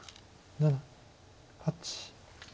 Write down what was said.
７８。